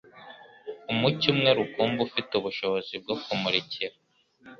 Umucyo umwe rukumbi ufite ubushobozi bwo kumurikira